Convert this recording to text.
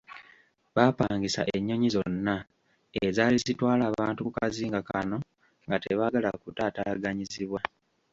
Baapangisa ennyonyi zonna ezaali zitwala abantu ku kazinga kano nga tebaagala kutaataaganyizibwa.